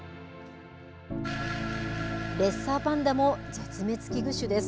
レッサーパンダも絶滅危惧種です。